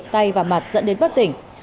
tay và mặt dẫn đến bất tỉnh